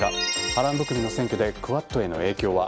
波乱含みの選挙でクアッドへの影響は？